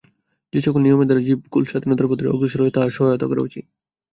যে-সকল নিয়মের দ্বারা জীবকুল স্বাধীনতার পথে অগ্রসর হয়, তাহার সহায়তা করা উচিত।